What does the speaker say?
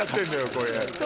これ。